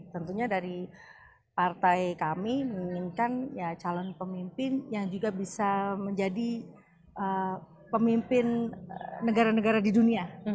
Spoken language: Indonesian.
tentunya dari partai kami menginginkan calon pemimpin yang juga bisa menjadi pemimpin negara negara di dunia